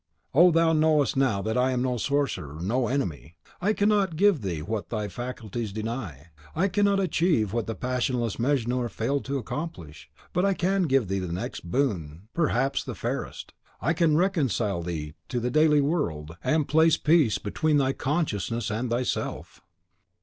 oh, thou knowest now that I am no sorcerer, no enemy. I cannot give thee what thy faculties deny, I cannot achieve what the passionless Mejnour failed to accomplish; but I can give thee the next best boon, perhaps the fairest, I can reconcile thee to the daily world, and place peace between thy conscience and thyself."